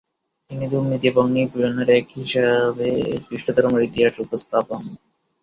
তিনি দুর্নীতি এবং নিপীড়নের এক হিসাবে খ্রিস্টধর্মের ইতিহাস উপস্থাপন।